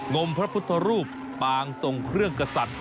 มพระพุทธรูปปางส่งเครื่องกษัตริย์